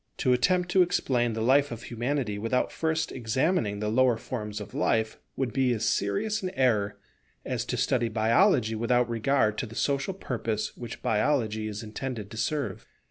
To attempt to explain the life of Humanity without first examining the lower forms of life, would be as serious an error as to study Biology without regard to the social purpose which Biology is intended to serve.